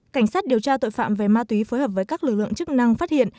cảnh sát điều tra tội phạm về ma túy phối hợp với các lực lượng chức năng phát hiện